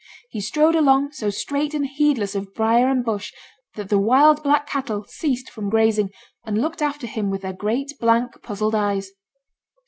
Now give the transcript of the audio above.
He strode along, so straight and heedless of briar and bush, that the wild black cattle ceased from grazing, and looked after him with their great blank puzzled eyes.